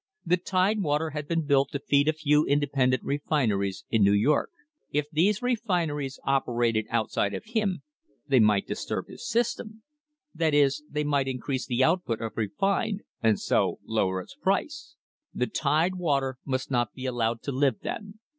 The Tidewater had been built to feed a few inde pendent refineries in New York. If these refineries operated outside of him, they might disturb his system; that is, they might increase the output of refined and so lower its price. The Tidewater must not be allowed to live, then.